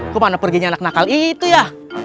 kok mana perginya anak nakal itu ya